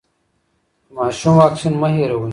د ماشوم واکسین مه هېروئ.